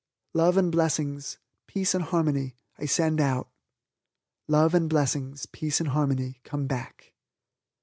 Love and blessings, peace and harmony, I send out love and blessings, peace and harmony, come back.